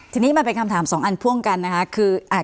ทีนี้มันเป็นคำถามสองอันพ่วงกันนะคะคือ